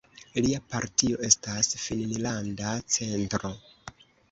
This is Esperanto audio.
Lia partio estas Finnlanda Centro.